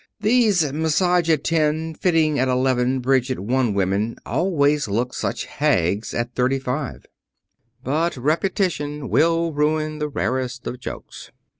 These massage at ten fitting at eleven bridge at one women always look such hags at thirty five." But repetition will ruin the rarest of jokes.